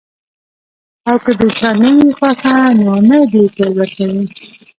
او کۀ د چا نۀ وي خوښه نو نۀ دې ورکوي -